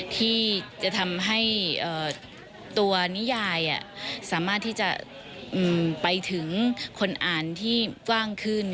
ที่จะทำให้ตัวนิยายสามารถที่จะไปถึงคนอ่านที่กว้างขึ้น